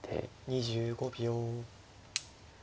２５秒。